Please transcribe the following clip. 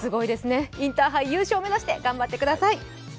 インターハイ優勝目指して頑張ってください！